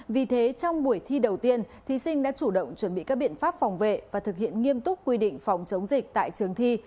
vì thế trong buổi thi đầu tiên thí sinh đã chủ động chuẩn bị các biện pháp phòng vệ và thực hiện nghiêm túc quy định phòng chống dịch tại trường thi